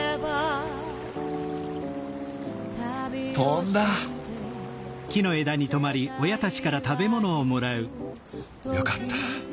飛んだ！よかった。